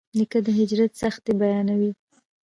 نیکه د هجرت سختۍ بیانوي.